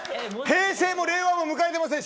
平成も令和も迎えてません。